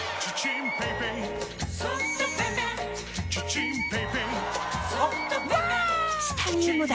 チタニウムだ！